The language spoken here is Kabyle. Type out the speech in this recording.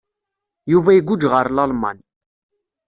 Yuba iguǧǧ ɣer Lalman.